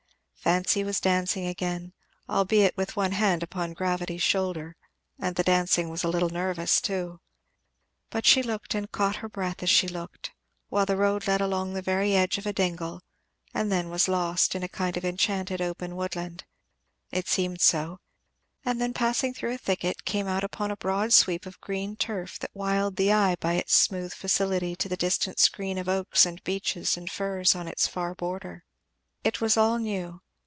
Fancy was dancing again, albeit with one hand upon gravity's shoulder, and the dancing was a little nervous too. But she looked and caught her breath as she looked, while the road led along the very edge of a dingle, and then was lost in a kind of enchanted open woodland it seemed so and then passing through a thicket came out upon a broad sweep of green turf that wiled the eye by its smooth facility to the distant screen of oaks and beeches and firs on its far border. It was all new.